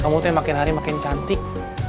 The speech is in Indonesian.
kamu tuh yang makin hari makin cantik